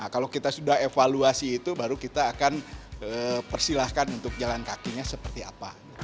kalau kita sudah evaluasi itu baru kita akan persilahkan untuk jalan kakinya seperti apa